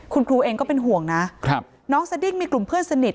คุณครูเองก็เป็นห่วงนะน้องสดิ้งมีกลุ่มเพื่อนสนิท